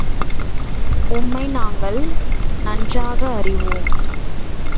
உம்மை நாங்கள் நன்றாக அறிவோம்.